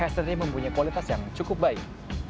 saya mempunyai kualitas yang cukup baik